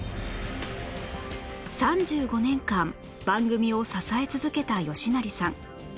３５年間番組を支え続けた吉成さん